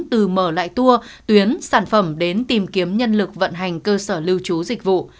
từ mở lại tour tuyến sản phẩm đến tìm kiếm nhân lực vận hành cơ sở lưu trú dịch vụ